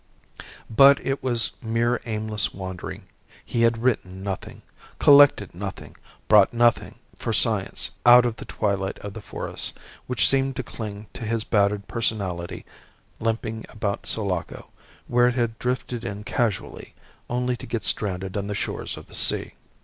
But it was mere aimless wandering; he had written nothing, collected nothing, brought nothing for science out of the twilight of the forests, which seemed to cling to his battered personality limping about Sulaco, where it had drifted in casually, only to get stranded on the shores of the sea.